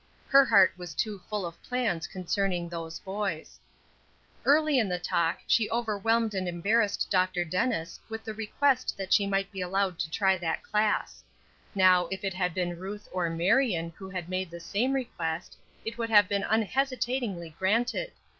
Her heart was too full of plans concerning "those boys." Early in the talk she overwhelmed and embarrassed Dr. Dennis with the request that she might be allowed to try that class. Now if it had been Ruth or Marion who had made the same request, it would have been unhesitatingly granted.